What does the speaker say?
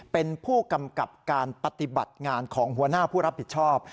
เป็นผู้กำกับการปฏิบัติงานของหัวหน้าผู้รับผิดชอบ